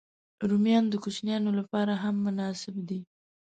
رومیان د کوچنيانو لپاره هم مناسب دي